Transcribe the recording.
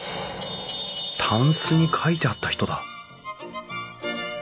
たんすに書いてあった人だ！